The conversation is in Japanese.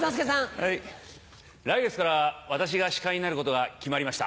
来月から私が司会になることが決まりました。